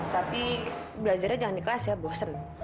tapi belajarnya jangan di kelas ya bosen